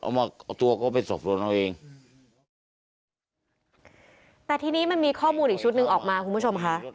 เอามาเอาตัวก็เป็นศพตัวเราเองแต่ที่นี้มันมีข้อมูลอีกชุดหนึ่งออกมาคุณผู้ชมค่ะ